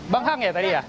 bang hang ya tadi ya